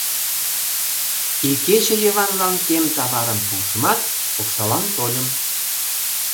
Икече Йыванлан кем таварым пуышымат, оксалан тольым...